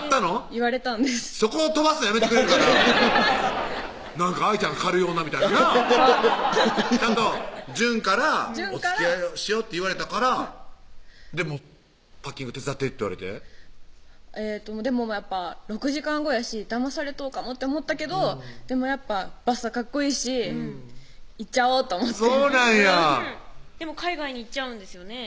言われたんですそこを飛ばすのやめてくれるかな愛ちゃんが軽い女みたいになぁはいちゃんと淳から「おつきあいをしよう」って言われたからでも「パッキング手伝って」って言われてでもやっぱ６時間後やしだまされとうかもって思ったけどでもやっぱばっさカッコイイしいっちゃおうと思ってそうなんやでも海外に行っちゃうんですよね